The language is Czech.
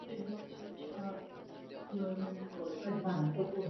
Fakticky tak množství rad závisí především na velikosti populace v daném obvodu.